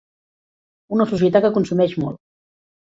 Una societat que consumeix molt.